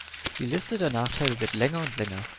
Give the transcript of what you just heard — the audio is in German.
Die Liste der Nachteile wird länger und länger.